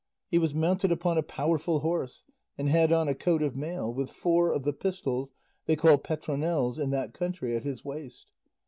He was mounted upon a powerful horse, and had on a coat of mail, with four of the pistols they call petronels in that country at his waist.